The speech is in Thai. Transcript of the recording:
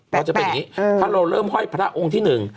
พอจะเป็นอย่างนี้ถ้าเราเริ่มห้อยพระองค์ที่หนึ่ง